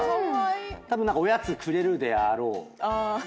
たぶん何かおやつくれるであろう。